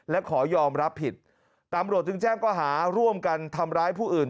และขอยอมรับผิดตำรวจจึงแจ้งก็หาร่วมกันทำร้ายผู้อื่น